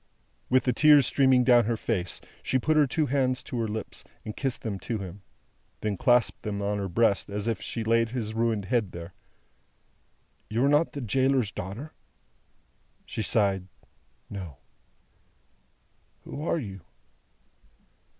With the tears streaming down her face, she put her two hands to her lips, and kissed them to him; then clasped them on her breast, as if she laid his ruined head there. "You are not the gaoler's daughter?" She sighed "No." "Who are you?"